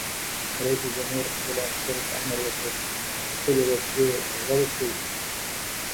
رئیس جمهور خپلو عسکرو ته امر وکړ؛ خپلې وسلې غوړې کړئ!